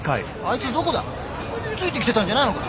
ついてきてたんじゃないのか？